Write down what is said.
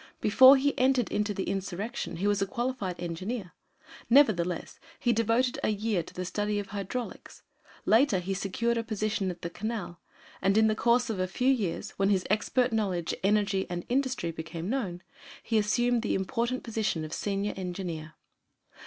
Before he entered into the insurrection he was a qualified engineer; nevertheless he devoted a year to the study of hydraulics. Later he secured a position at the Canal and in the course of a few years, when his expert knowledge, energy, and industry became known, he assumed the important position of senior engineer.